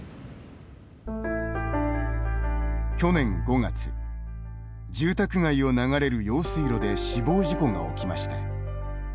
去年５月、住宅街を流れる用水路で死亡事故が起きました。